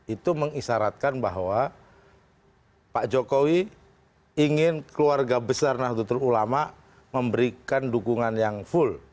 itu mengisaratkan bahwa pak jokowi ingin keluarga besar nahdlatul ulama memberikan dukungan yang full